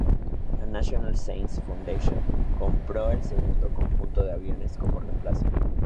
La National Science Foundation compró el segundo conjunto de aviones como reemplazo.